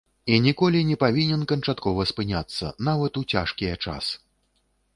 І ніколі не павінен канчаткова спыняцца, нават у цяжкія час.